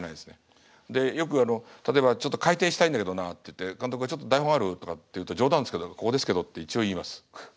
でよくあの例えば「ちょっと改訂したいんだけどな」って言って監督が「ちょっと台本ある？」とかって言うと冗談ですけど「ここですけど」って一応言います。